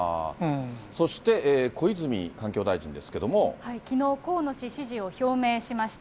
そして、小泉環境大臣ですけきのう、河野氏支持を表明しました。